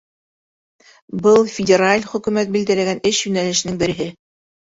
Был — федераль хөкүмәт билдәләгән эш йүнәлешенең береһе.